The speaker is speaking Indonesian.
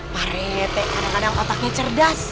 parit kadang kadang otaknya cerdas